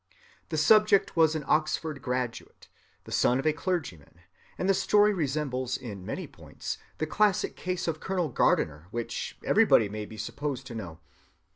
This subject was an Oxford graduate, the son of a clergyman, and the story resembles in many points the classic case of Colonel Gardiner, which everybody may be supposed to know.